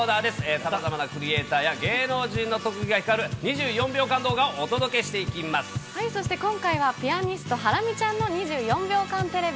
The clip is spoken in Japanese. さまざまなクリエーターや芸能人の特技が光る２４秒間動画をお届そして今回は、ピアニスト、ハラミちゃんの２４秒間テレビ。